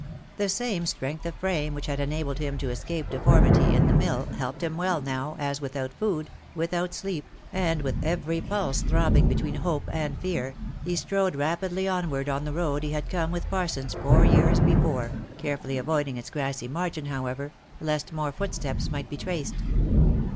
The same strength of frame which had enabled him to escape de formity in the mill, helped him well now, as without food, without 298 THE LIFE AND ADVENTURES sleep, and with every pulse throbbing between hope and fear, he strode rapidly onward on the road he had come with Parsons four years be fore, carefully avoiding its grassy margin, however, lest more footsteps might be traced.